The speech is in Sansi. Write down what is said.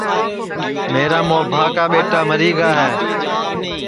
میرا مُوابھا کا ٻیٹا مری گا ہے